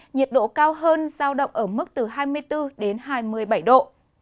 nhiệt độ cao hơn giao động ở mức từ hai mươi bốn đến hai mươi bảy độ